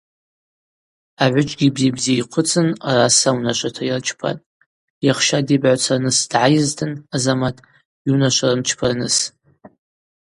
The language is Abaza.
Агӏвыджьгьи бзи-бзи йхъвыцын араса унашвата йырчпатӏ: йахща дибагӏвацарныс дгӏайызтын Азамат йунашва рымчпарныс.